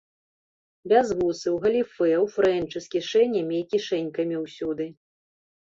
Бязвусы, у галіфэ, у фрэнчы з кішэнямі і кішэнькамі ўсюды.